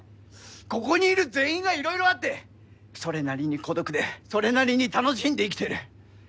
ここにいる全員が色々あってそれなりに孤独でそれなりに楽しんで生きてる。